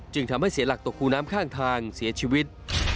ทำให้เสียหลักตกคูน้ำข้างทางเสียชีวิต